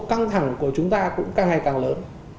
căng thẳng của chúng ta cũng càng ngày càng lớn